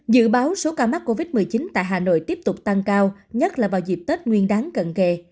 dự báo số ca mắc covid một mươi chín tại hà nội tiếp tục tăng cao nhất là vào dịp tết nguyên đáng cận kề